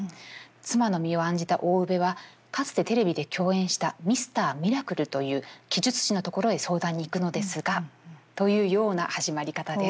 妻の身を案じた大生部はかつてテレビで共演したミスター・ミラクルという奇術師のところへ相談に行くのですがというような始まり方です。